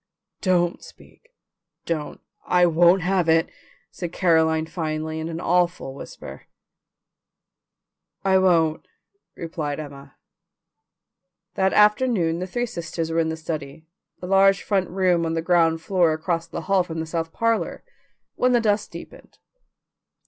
"Don't speak, don't, I won't have it!" said Caroline finally in an awful whisper. "I won't," replied Emma. That afternoon the three sisters were in the study, the large front room on the ground floor across the hall from the south parlour, when the dusk deepened.